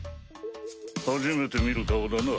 初めて見る顔だな。